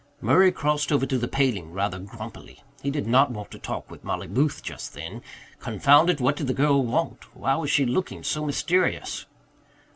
Murray crossed over to the paling rather grumpily. He did not want to talk with Mollie Booth just then. Confound it, what did the girl want? Why was she looking so mysterious?